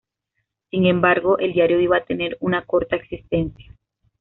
Sin embargo, el diario iba a tener una corta existencia.